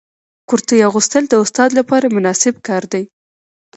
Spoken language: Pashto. کرتۍ اغوستل د استاد لپاره مناسب کار دی.